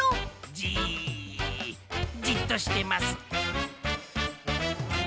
じっとしてます。